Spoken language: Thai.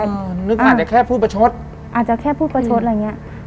อ่านึกอ่ะอาจจะแค่พูดประชดอาจจะแค่พูดประชดอะไรเงี้ย